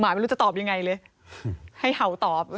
ไม่รู้จะตอบยังไงเลยให้เห่าตอบ